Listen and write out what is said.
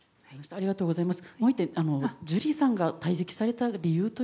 ありがとうございます。